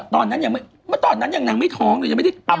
ตอนนั้นยังไม่ท้องเลย